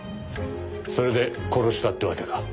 それで殺したってわけか。